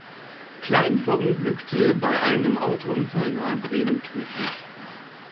Klein verunglückte bei einem Autounfall nahe Bremen tödlich.